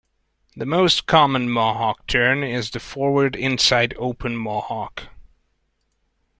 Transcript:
The most common mohawk turn is the forward inside open mohawk.